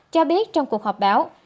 cho biết trong cuộc họp báo